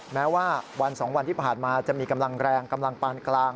แม้ว่าวัน๒วันที่ผ่านมาจะมีกำลังแรงกำลังปานกลาง